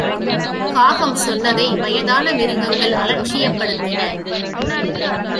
காகம் சொன்னதை வயதான மிருகங்கள் அலட்சியப்படுத்தின.